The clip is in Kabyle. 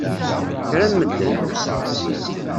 Kra n medden!